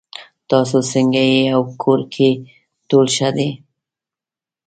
تاسو څنګه یې او کور کې ټول ښه دي